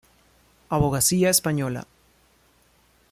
Abogacía Española.